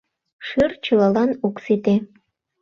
— Шӱр чылалан ок сите.